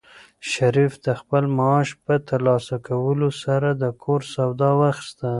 شریف د خپل معاش په ترلاسه کولو سره د کور سودا واخیسته.